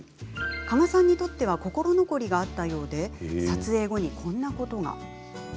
加賀さんにとっては心残りがあったようで撮影後にこんなことが。